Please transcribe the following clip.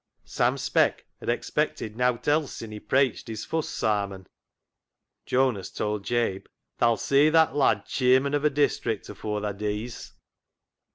Sam Speck had " expected nowt else sin' he preiched his fust sarmon." Jonas told Jabe :" Tha'll see that lad Cheer mon of a District afore tha dees."